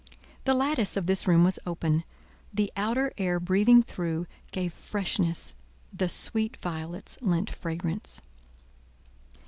The lattice of this room was open; the outer air breathing through, gave freshness, the sweet violets lent fragrance.